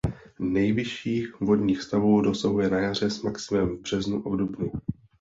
Nejvyšších vodních stavů dosahuje na jaře s maximem v březnu a v dubnu.